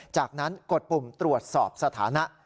จากนั้นกดปุ่มตรวจสอบสถานะ